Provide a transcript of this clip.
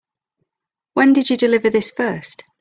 When did you deliver this first?